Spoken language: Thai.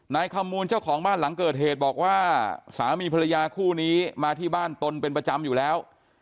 ขมูลเจ้าของบ้านหลังเกิดเหตุบอกว่าสามีภรรยาคู่นี้มาที่บ้านตนเป็นประจำอยู่แล้ว